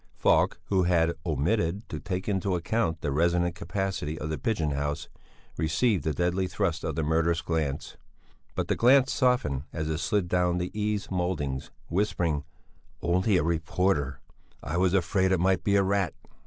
Falk who had omitted to take into account the resonant capacity of the pigeon house, received the deadly thrust of the murderous glance; but the glance softened as it slid down from the eaves mouldings, whispering "Only a reporter; I was afraid it might be a rat."